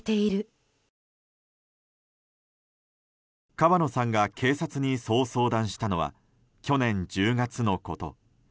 川野さんが警察にそう相談したのは去年１０月のこと。